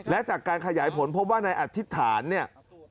และจากการขยายผลพบว่าในอธิษฐานเนี่ย